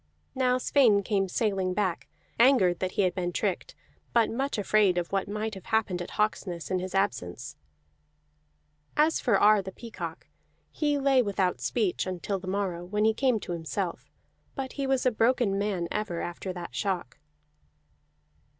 Now Sweyn came sailing back, angered that he had been tricked, but much afraid of what might have happened at Hawksness in his absence. As for Ar the Peacock, he lay without speech until the morrow, when he came to himself; but he was a broken man ever after that shock.